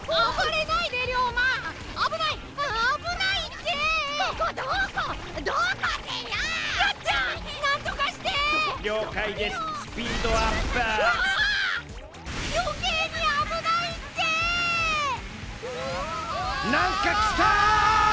なんかきた！